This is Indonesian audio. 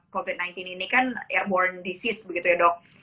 covid sembilan belas ini kan air warn disease begitu ya dok